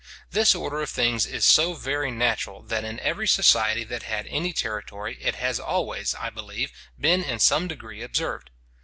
This order of things is so very natural, that in every society that had any territory, it has always, I believe, been in some degree observed.